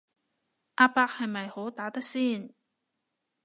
阿伯係咪好打得先